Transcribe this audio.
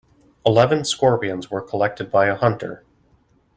Eleven scorpions were collected by a hunter.